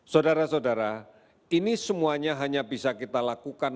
saudara saudara ini semuanya hanya bisa kita lakukan